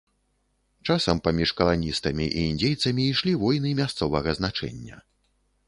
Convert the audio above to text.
Часам паміж каланістамі і індзейцамі ішлі войны мясцовага значэння.